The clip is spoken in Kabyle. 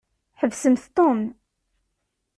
Ḥbsemt Tom.